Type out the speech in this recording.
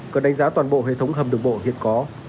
cần đánh giá toàn bộ hệ thống hầm đường bộ hiện có